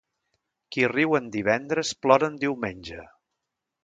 Qui riu en divendres, plora en diumenge.